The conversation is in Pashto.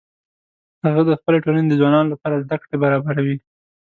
هغه د خپلې ټولنې د ځوانانو لپاره زده کړې برابروي